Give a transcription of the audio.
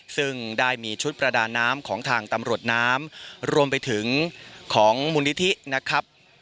ซึ่งได้มีชุดประดาน้ำของทางตำรวจน้ำรวมไปถึงของมูลนิธินะครับ